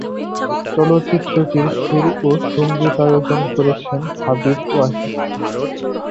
চলচ্চিত্রটির সুর ও সঙ্গীতায়োজন করেছেন হাবিব ওয়াহিদ।